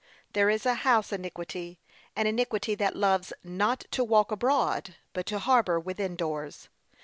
There is a house iniquity; an iniquity that loves not to walk abroad, but to harbour within doors.